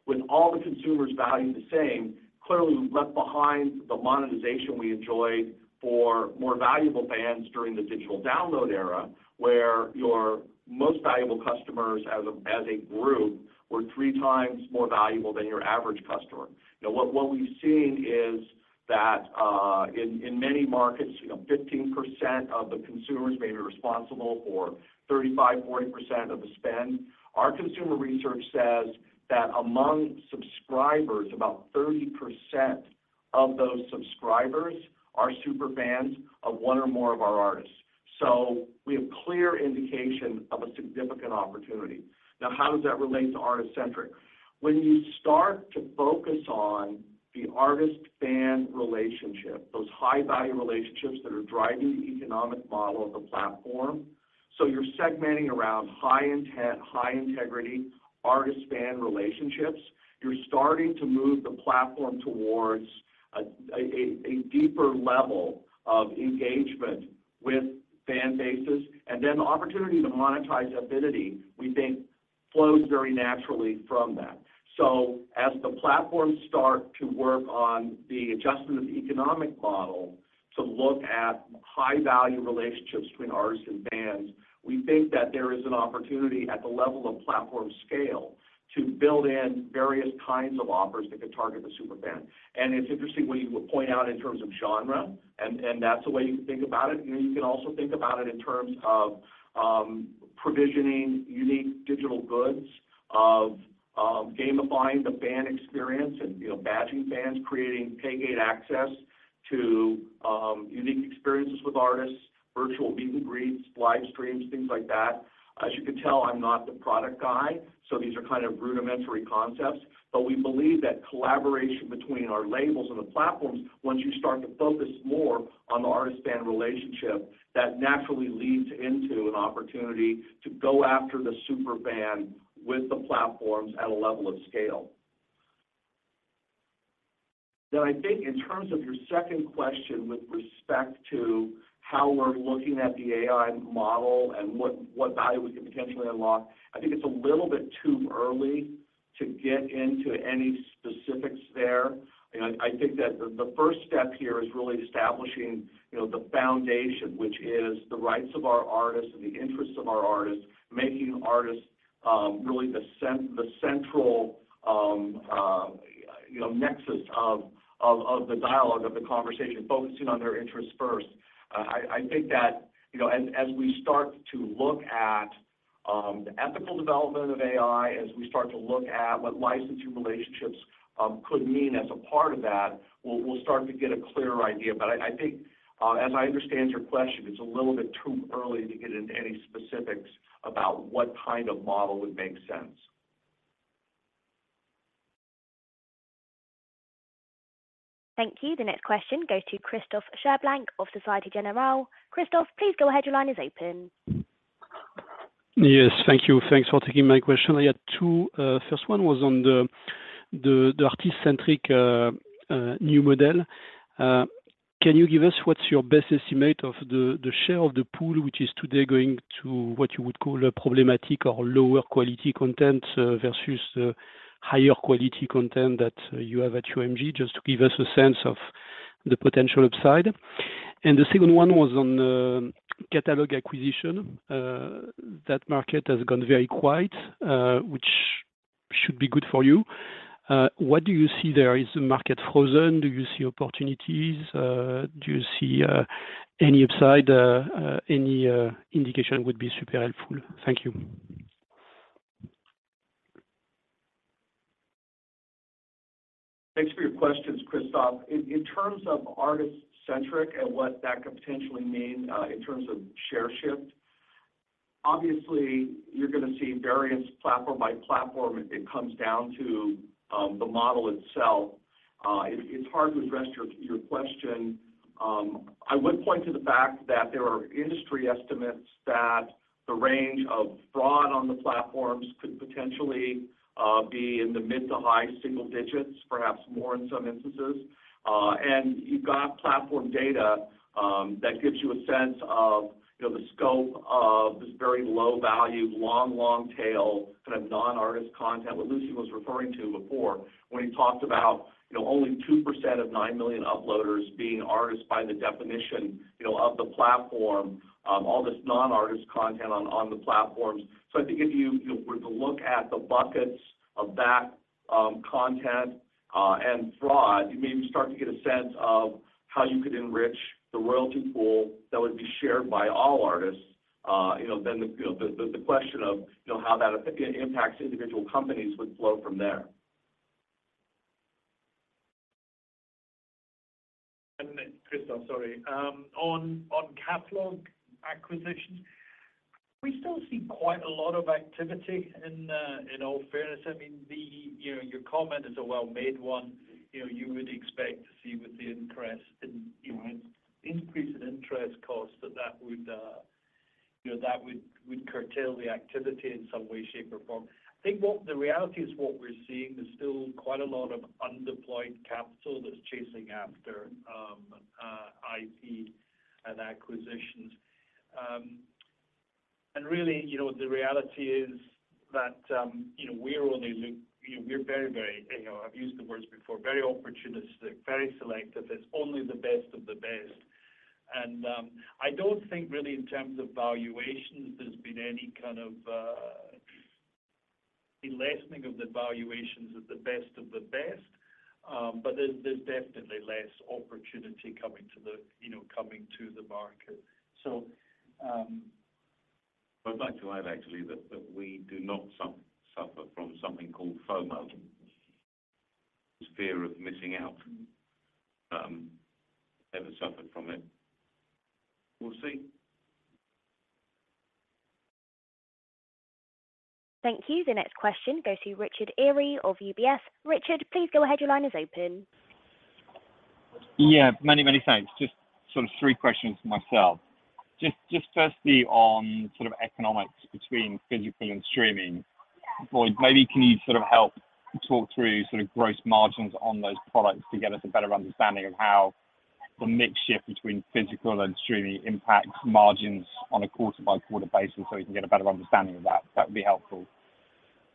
With all the consumers valued the same, clearly we left behind the monetization we enjoyed for more valuable fans during the digital download era, where your most valuable customers as a group were three times more valuable than your average customer. What we've seen is that in many markets, you know, 15% of the consumers may be responsible for 35%-40% of the spend. Our consumer research says that among subscribers, about 30% of those subscribers are super fans of one or more of our artists. We have clear indication of a significant opportunity. How does that relate to artist-centric? When you start to focus on the artist-fan relationship, those high-value relationships that are driving the economic model of the platform, you're segmenting around high-intent, high-integrity artist-fan relationships. You're starting to move the platform towards a deeper level of engagement with fan bases, the opportunity to monetize affinity, we think flows very naturally from that. As the platforms start to work on the adjustment of economic model to look at high value relationships between artists and bands, we think that there is an opportunity at the level of platform scale to build in various kinds of offers that could target the super fan. It's interesting what you would point out in terms of genre and that's a way you can think about it. You know, you can also think about it in terms of provisioning unique digital goods of gamifying the fan experience and, you know, badging fans, creating pay gate access to unique experiences with artists, virtual meet and greets, live streams, things like that. As you can tell, I'm not the product guy, so these are kind of rudimentary concepts. We believe that collaboration between our labels and the platforms, once you start to focus more on the artist fan relationship, that naturally leads into an opportunity to go after the super fan with the platforms at a level of scale. Now, I think in terms of your second question with respect to how we're looking at the AI model and what value we can potentially unlock, I think it's a little bit too early to get into any specifics there. You know, I think that the first step here is really establishing, you know, the foundation, which is the rights of our artists and the interests of our artists. Making artists, really the central, you know, nexus of the dialogue, of the conversation, focusing on their interests first. I think that, you know, as we start to look at the ethical development of AI, as we start to look at what licensing relationships could mean as a part of that, we'll start to get a clearer idea. I think, as I understand your question, it's a little bit too early to get into any specifics about what kind of model would make sense. Thank you. The next question goes to Christophe Cherblanc of Societe Generale. Christophe, please go ahead. Your line is open. Yes. Thank you. Thanks for taking my question. I had two. First one was on the artist-centric new model. Can you give us what's your best estimate of the share of the pool, which is today going to what you would call a problematic or lower quality content versus higher quality content that you have at UMG, just to give us a sense of the potential upside. The second one was on catalog acquisition. That market has gone very quiet, which should be good for you. What do you see there? Is the market frozen? Do you see opportunities? Do you see any upside? Any indication would be super helpful. Thank you. Thanks for your questions, Christophe. In terms of artist-centric and what that could potentially mean, in terms of share shift, obviously you're gonna see variance platform by platform. It comes down to the model itself. It's hard to address your question. I would point to the fact that there are industry estimates that the range of fraud on the platforms could potentially be in the mid to high single digits, perhaps more in some instances. You've got platform data that gives you a sense of, you know, the scope of this very low value long tail kind of non-artist content, what Lucian was referring to before when he talked about, you know, only 2% of 9 million uploaders being artists by the definition, you know, of the platform. All this non-artist content on the platforms. I think if you were to look at the buckets of that, content, and fraud, you maybe start to get a sense of how you could enrich the royalty pool that would be shared by all artists. You know, then the, you know, the, the question of, you know, how that impacts individual companies would flow from there. Christophe, sorry. On, on catalog acquisitions, we still see quite a lot of activity in all fairness. I mean, the, you know, your comment is a well-made one. You know, you would expect to see with the interest in, you know, increase in interest costs that would, you know, that would curtail the activity in some way, shape, or form. I think what the reality is what we're seeing, there's still quite a lot of undeployed capital that's chasing after IP and acquisitions. Really, you know, the reality is that, you know, we're only. We're very, very, you know, I've used the words before, very opportunistic, very selective. It's only the best of the best. I don't think really in terms of valuations, there's been any kind of lessening of the valuations of the best of the best. There's definitely less opportunity coming to the, you know, coming to the market. I'd like to add actually that we do not suffer from something called FOMO. It's fear of missing out. Never suffered from it. We'll see. Thank you. The next question goes to Richard Eary of UBS. Richard, please go ahead. Your line is open. Many thanks. Just sort of three questions for myself. Just firstly on sort of economics between physical and streaming. Boyd, maybe can you sort of help talk through sort of gross margins on those products to get us a better understanding of how the mix shift between physical and streaming impacts margins on a quarter-by-quarter basis, so we can get a better understanding of that. That would be helpful.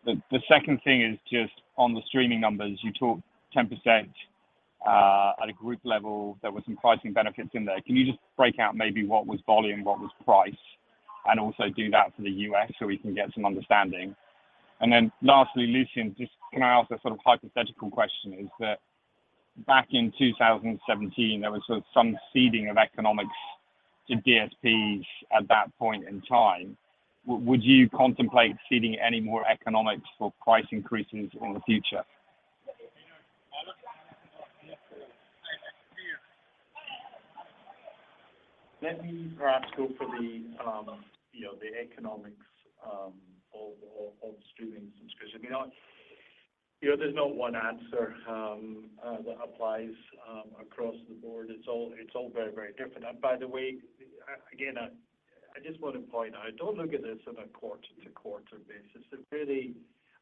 The second thing is just on the streaming numbers, you talked 10% at a group level. There were some pricing benefits in there. Can you just break out maybe what was volume, what was price, and also do that for the U.S., so we can get some understanding? Then lastly, Lucian, just can I ask a sort of hypothetical question, is that back in 2017, there was sort of some ceding of economics to DSPs at that point in time? Would you contemplate ceding any more economics for price increases in the future? Let me perhaps go for the, you know, the economics of streaming subscriptions. You know, there's no one answer that applies across the board. It's all very, very different. By the way, again, I just want to point out, don't look at this on a quarter-to-quarter basis.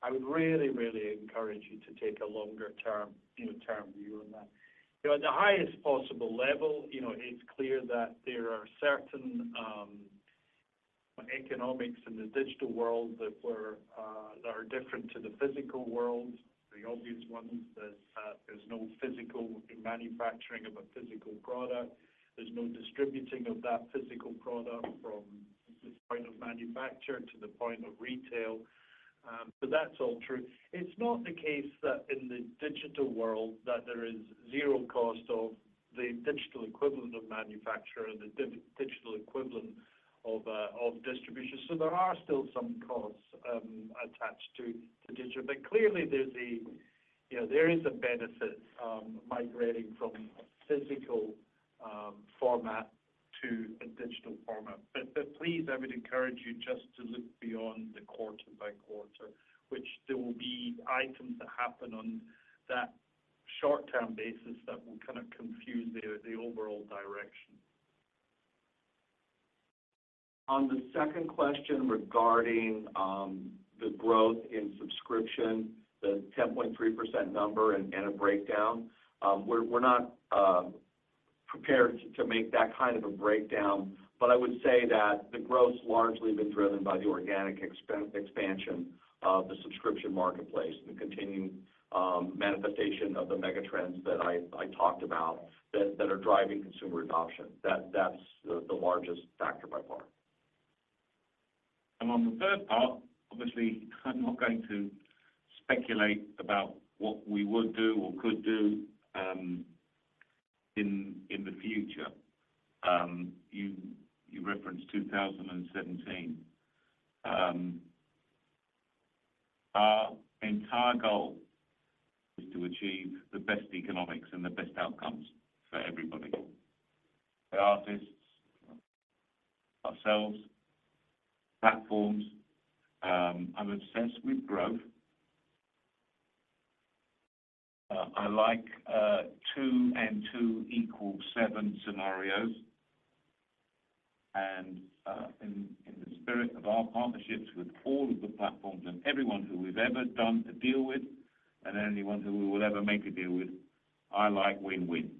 I would really, really encourage you to take a longer term, you know, term view on that. You know, at the highest possible level, you know, it's clear that there are certain economics in the digital world that were that are different to the physical world. The obvious one is that there's no physical manufacturing of a physical product. There's no distributing of that physical product from the point of manufacture to the point of retail. That's all true. It's not the case that in the digital world that there is zero cost of the digital equivalent of manufacturer, the digital equivalent of distribution. There are still some costs attached to digital. Clearly there's a, you know, there is a benefit migrating from physical format to a digital format. Please, I would encourage you just to look beyond the quarter by quarter, which there will be items that happen on that short-term basis that will kind of confuse the overall direction. On the second question regarding, the growth in subscription, the 10.3% number and a breakdown, we're not prepared to make that kind of a breakdown. I would say that the growth's largely been driven by the organic expansion of the subscription marketplace and the continuing manifestation of the mega trends that I talked about that are driving consumer adoption. That's the largest factor by far. On the third part, obviously, I'm not going to speculate about what we would do or could do in the future. You referenced 2017. Our entire goal is to achieve the best economics and the best outcomes for everybody. The artists, ourselves, platforms, I'm obsessed with growth. I like 2 and 2 equal 7 scenarios. In the spirit of our partnerships with all of the platforms and everyone who we've ever done a deal with and anyone who we will ever make a deal with, I like win-win.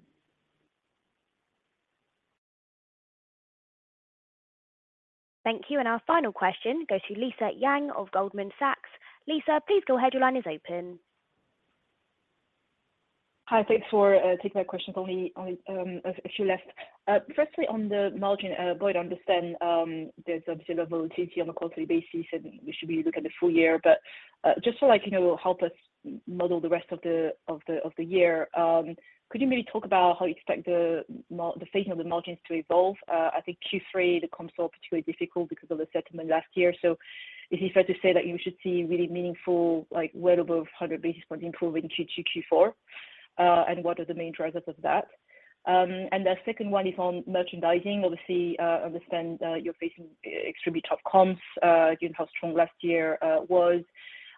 Thank you. Our final question goes to Lisa Yang of Goldman Sachs. Lisa, please go ahead. Your line is open. Hi. Thanks for taking my questions. Only a few left. Firstly, on the margin, Boyd, I understand there's obviously a volatility on a quarterly basis, and we should really look at the full year. Just so like, you know, help us model the rest of the year, could you maybe talk about how you expect the fate of the margins to evolve? I think Q3 that comes off particularly difficult because of the settlement last year. Is it fair to say that you should see really meaningful, like well above 100 basis point improve in Q2, Q4? What are the main drivers of that? The second one is on merchandising. Obviously, understand you're facing extremely tough comps, given how strong last year was.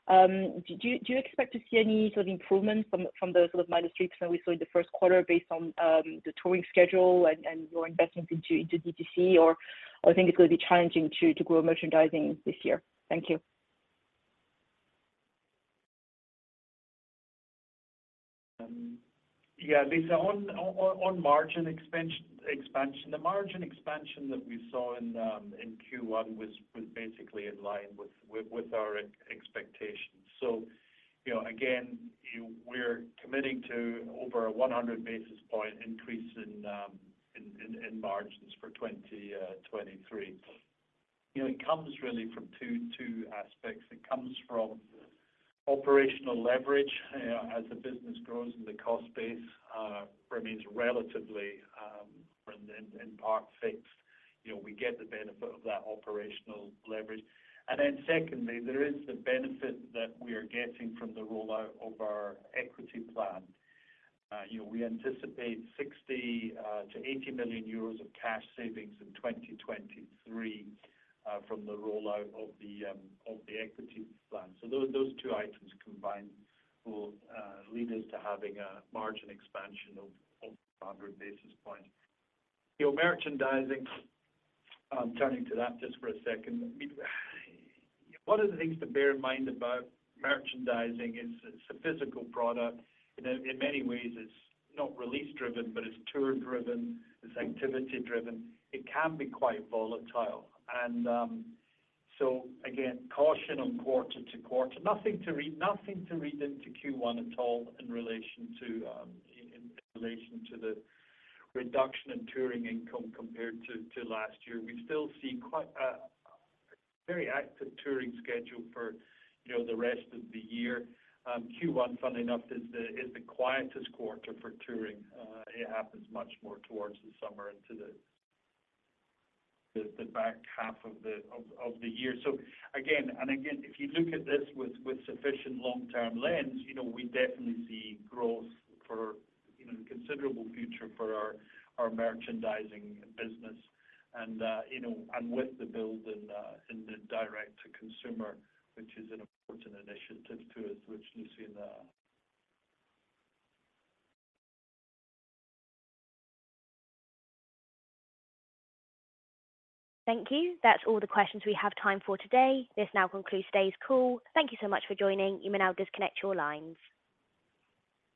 You expect to see any sort of improvements from those sort of minor streaks that we saw in the first quarter based on the touring schedule and your investments into DTC? I think it's gonna be challenging to grow merchandising this year. Thank you. Yeah, Lisa, on margin expansion. The margin expansion that we saw in Q1 was basically in line with our expectations. You know, again, we're committing to over a 100 basis point increase in margins for 2023. You know, it comes really from two aspects. It comes from operational leverage, as the business grows and the cost base remains relatively in part fixed, you know, we get the benefit of that operational leverage. Secondly, there is the benefit that we are getting from the rollout of our equity plan. You know, we anticipate 60-80 million euros of cash savings in 2023 from the rollout of the equity plan. Those two items combined will lead us to having a margin expansion of 100 basis points. Your merchandising, turning to that just for a second. I mean, one of the things to bear in mind about merchandising is it's a physical product. In many ways it's not release driven, but it's tour driven, it's activity driven. It can be quite volatile. Again, caution on quarter-to-quarter. Nothing to read into Q1 at all in relation to the reduction in touring income compared to last year. We still see quite a very active touring schedule for, you know, the rest of the year. Q1, funnily enough, is the quietest quarter for touring. It happens much more towards the summer into the back half of the year. Again, and again, if you look at this with sufficient long-term lens, you know, we definitely see growth for considerable future for our merchandising business and, you know, with the build in the direct-to-consumer, which is an important initiative to us, which you see in the... Thank you. That's all the questions we have time for today. This now concludes today's call. Thank you so much for joining. You may now disconnect your lines.